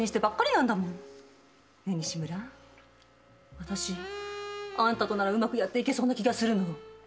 私あんたとならうまくやっていけそうな気がするの。